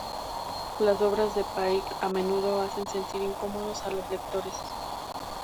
Las obras de Paik a menudo hacen sentir incómodos a los lectores.